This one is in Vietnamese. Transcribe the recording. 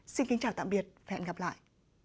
xin kính chào tạm biệt và hẹn gặp lại